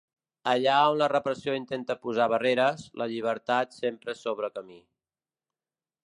Allà on la repressió intenta posar barreres, la llibertat sempre s'obre camí.